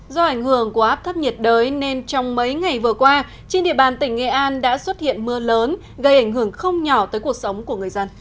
do ảnh hưởng của áp thấp nhiệt đới nên trong mấy ngày vừa qua trên địa bàn tỉnh nghệ an đã xuất hiện mưa lớn gây ảnh hưởng không nhỏ tới cuộc sống của người dân